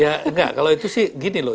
ya enggak kalau itu sih gini loh